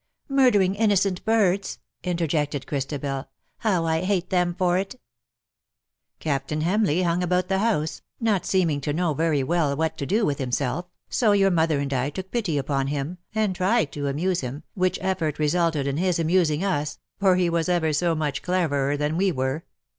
'''* Murdering innocent birds," interjected Chris tabel. " How I hate them for it !"" Captain Hamleigh hung about the house, not seeming to know very well what to do with himself, THE DAYS THAT ARE NO MORE. 6 SO your mother and I took pity upon him, and tried to amuse him, which eflPort resulted in his amusing us, for he was ever so much cleverer than we were.